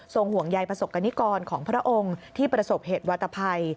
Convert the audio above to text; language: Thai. ห่วงใยประสบกรณิกรของพระองค์ที่ประสบเหตุวาตภัย